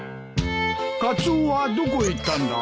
カツオはどこへ行ったんだ？